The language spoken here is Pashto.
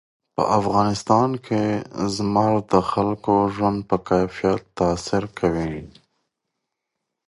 په افغانستان کې زمرد د خلکو د ژوند په کیفیت تاثیر کوي.